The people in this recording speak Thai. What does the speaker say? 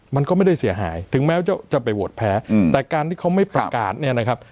มันก็ไม่ได้เสียหายถึงแม้จะไปโหวตแพ้แต่การที่เขาไม่ประกาศเนี่ยนะครับ